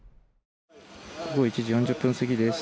午後１時４０分過ぎです。